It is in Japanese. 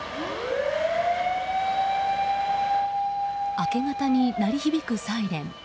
明け方に鳴り響くサイレン。